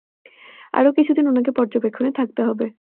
আরও কিছু দিন ওনাকে পর্যবেক্ষণে থাকতে হবে।